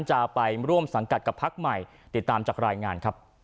จะไปร่วมสังกัดกับพักใหม่ติดตามจากรายงานครับ